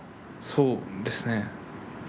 そうですね。